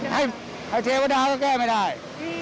ให้เทพธรรมดาแก้ไม่ได้